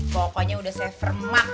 pokoknya udah saya fermak